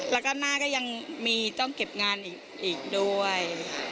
แล้วก็หน้าก็ยังมีต้องเก็บงานอีกด้วย